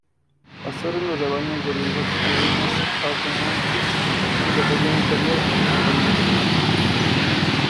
Pastor en los rebaños de ovejas merinas trashumantes de categoría inferior al compañero.